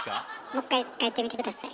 もう一回書いてみて下さい。